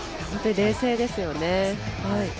冷静ですよね。